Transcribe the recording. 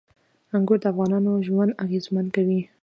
انګور د افغانانو ژوند اغېزمن کوي.